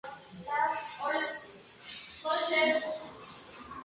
Con la caída de Lavalle, se exilió a la Banda Oriental.